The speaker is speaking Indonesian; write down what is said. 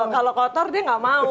kalau kotor dia nggak mau